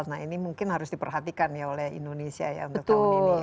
nah ini mungkin harus diperhatikan ya oleh indonesia ya untuk tahun ini